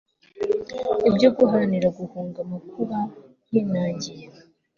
ibyo, guharanira guhunga amakuba yinangiye